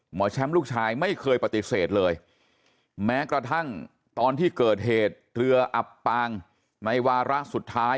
หมอแชมป์ลูกชายไม่เคยปฏิเสธเลยแม้กระทั่งตอนที่เกิดเหตุเรืออับปางในวาระสุดท้าย